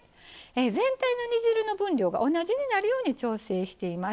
全体の煮汁の分量が同じになるように調整しています。